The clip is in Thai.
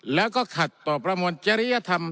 แล้วก็ขัดต่อประมวลจริยธรรม